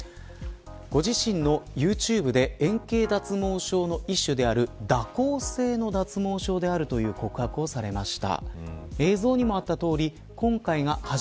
ご自身のユーチューブで円形脱毛症の一種である蛇行性の脱毛症であるという告白をされました。